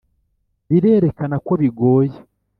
birerekana ko bigoye,